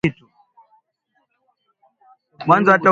wao anayethubutu kukosoa mizizi ya kurudi nyuma kwa